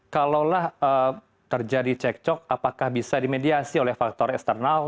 kalaulah terjadi cekcok apakah bisa dimediasi oleh faktor eksternal